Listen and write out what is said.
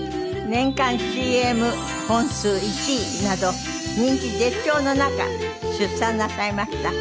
年間ＣＭ本数１位など人気絶頂の中出産なさいました。